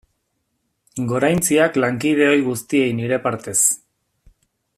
Goraintziak lankide ohi guztiei nire partez.